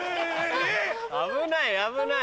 危ない危ない。